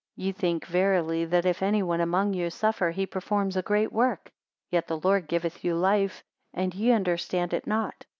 Ye think verily that if any one among you suffer, he performs a great work! Yet the Lord giveth you life, and ye understand it not.